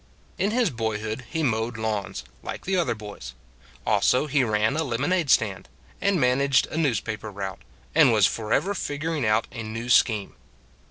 In his boyhood he mowed lawns, like the other boys: also he ran a lemonade stand, and managed a newspaper route, and was forever figuring out a new scheme.